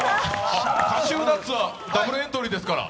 カシューナッツはダブルエントリーですから。